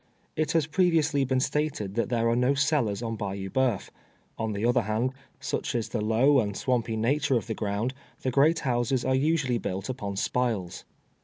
It has pi eviously been stated that there are no cellars on Bayou Boeuf ; on the other hand, such is the low and swampy nature of the ground, the great houses are usually built upon spiles.